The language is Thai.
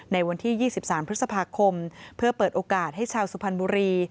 ในวันที่๒๓พฤษภาคมเพื่อเปิดโอกาสให้ชาวสุพรรณบุรี